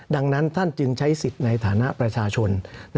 ดังนั้นท่านจึงใช้สิทธิ์ในฐานะประชาชน